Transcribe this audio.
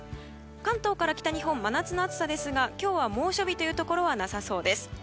関東から北日本真夏の暑さですが今日は猛暑日というところはなさそうです。